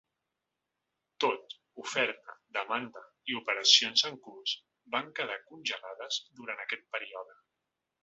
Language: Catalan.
Tot, oferta, demanda i operacions en curs van quedar congelades durant aquest període.